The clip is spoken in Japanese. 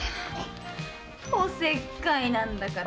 おせっかいなんだから。